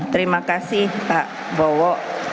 terima kasih pak bowo